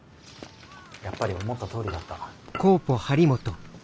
やっぱり思ったとおりだった。